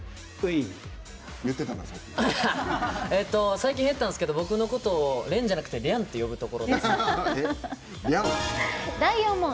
最近減ったんですけど僕のことを廉じゃなくて、りゃんって呼ぶことです。